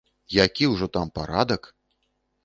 Які ўжо там парадак!